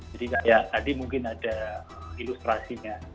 jadi kayak tadi mungkin ada ilustrasinya